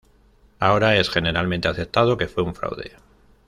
Ahora es generalmente aceptado que fue un fraude.